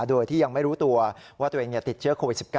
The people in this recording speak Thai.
โดยที่ยังไม่รู้ตัวว่าตัวเองติดเชื้อโควิด๑๙